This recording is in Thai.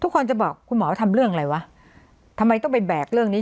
คนจะบอกคุณหมอทำเรื่องอะไรวะทำไมต้องไปแบกเรื่องนี้